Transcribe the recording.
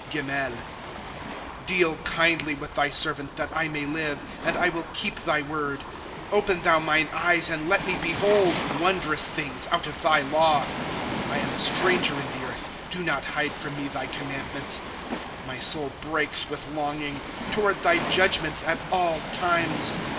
' Deal kindly with thy servant that I may live ; And I will keep thy word. 3 Open thou mine eyes, and let me behold, — Wondrous things out of thy law ! 9 I am a stranger in the earth ; Do not hide from me thy commandments. My soul breaks with longing, Toward thy judgments at all times.